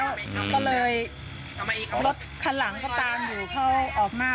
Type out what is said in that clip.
รถคันหลังก็เติมอยู่เขาออกมา๒๒๕๕๐๐๑๐๐๑